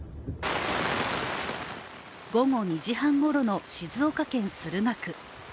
午後２時半ごろの静岡市駿河区。